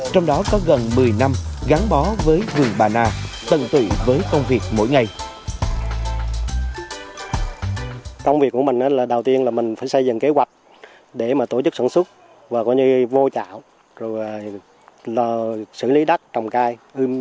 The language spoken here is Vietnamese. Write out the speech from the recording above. trong đó có gần một mươi năm gắn bó với vườn bà nà tận tụy với công việc mỗi ngày